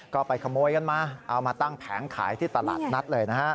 ก็ไปขโมยกันมาเอามาตั้งแผงขายที่ตลาดนัดเลยนะฮะ